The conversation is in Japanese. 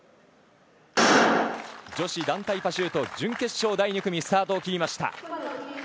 女子団体パシュート準決勝第２組スタートを切りました。